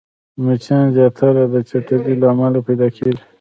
مچان زياتره د چټلۍ له امله پيدا کېږي